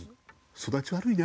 育ち悪いな。